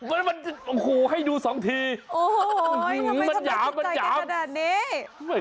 เอาคูลให้ดูสองทีมันหยาม